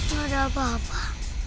gak ada apa apa